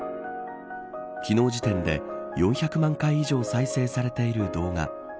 昨日時点で４００万回以上再生されている動画。